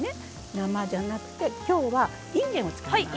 生じゃなくて今日はいんげんを使います。